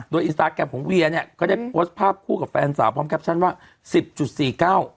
โดยอินสตาร์ทแกรมของเวียเนี่ยก็ได้โพสต์ภาพคู่กับแฟนสาวพร้อมแคปชั่นว่า